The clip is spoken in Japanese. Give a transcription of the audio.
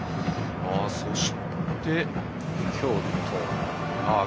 そして、京都。